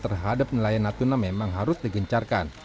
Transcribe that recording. terhadap nelayan natuna memang harus digencarkan